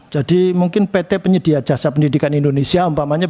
jadi mungkin pt penyedia jasa pendidikan indonesia